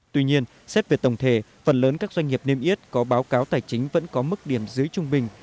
tuy nhiên xét về tổng thể phần lớn các doanh nghiệp niêm yết có báo cáo tài chính vẫn có mức điểm dưới trung bình